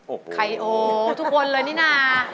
โอ้โหทุกคนเลยนี่นะ